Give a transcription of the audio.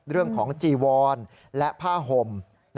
เรื่องของจีวอนและผ้าห่ม